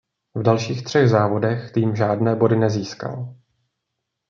V dalších třech závodech tým žádné body nezískal.